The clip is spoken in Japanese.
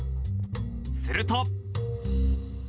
すると。